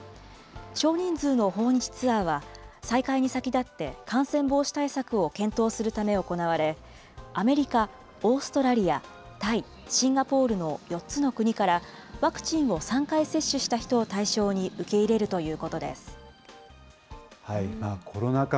少人数の訪日ツアーは、再開に先立って、感染防止対策を検討するため行われ、アメリカ、オーストラリア、タイ、シンガポールの４つの国から、ワクチンを３回接種した人を対象に受け入れるというコロナ禍